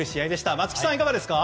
松木さん、いかがですか？